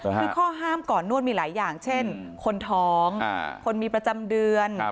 คือข้อห้ามก่อนนวดมีหลายอย่างเช่นคนท้องคนมีประจำเดือน